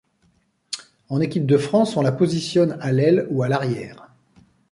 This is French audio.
En équipe de France, on la positionne à l’aile ou à l’arrière.